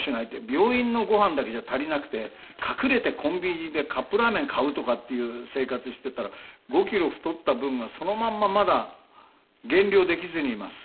病院のごはんだけじゃ足りなくて隠れてコンビニでカップラーメン買うとかっていう生活してたら５キロ太った分がそのまんままだ減量できずにいます。